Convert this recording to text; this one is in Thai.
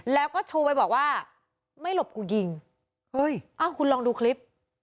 แล้วก็โทรไปบอกว่าไม่หลบกูยิงเฮ้ยอ้าวคุณลองดูคลิป